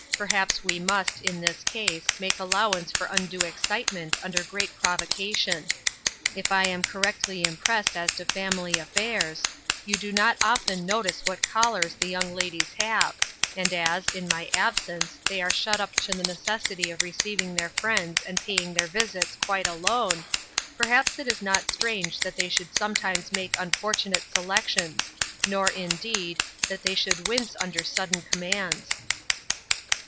Perhaps we must, in this case, make allowance for undue excitement under great provocation. If I am correctly impressed as to family affairs, you do not often notice what callers the young ladies have, and as, in my absence, they are shut up to the necessity of receiving their friends and paying their visits quite alone, perhaps it is not strange that they should sometimes make unfortunate se lections, nor, indeed, that they should wince under sudden commands."